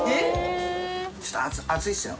ちょっと熱いですよ。